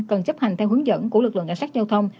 cần chấp hành theo hướng dẫn của lực lượng đặc sắc giao thông